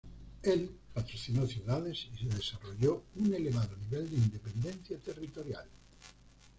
Él patrocinó ciudades y desarrolló un elevado nivel de independencia territorial.